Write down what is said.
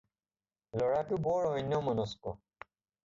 ল'ৰাটো বৰ অন্যমনস্ক।